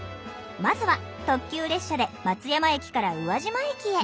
まずは特急列車で松山駅から宇和島駅へ。